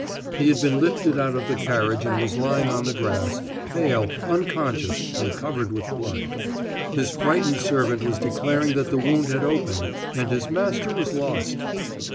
He had been lifted out of the carriage and was lying on the grass, pale, unconscious, and covered with blood; his frightened servant was declaring that the wound had opened and his master was lost.